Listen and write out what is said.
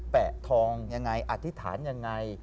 แปะทองอย่างไรอธิษฐานอย่างไร